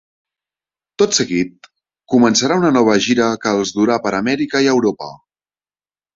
Tot seguit començarà una nova gira que els durà per Amèrica i Europa.